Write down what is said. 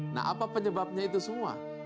nah apa penyebabnya itu semua